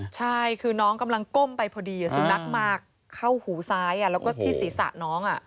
ใช่คือน้องกำลังก้มไปพอดีสุนัขมาเข้าหูซ้ายแล้วก็ที่ศีรษะน้อง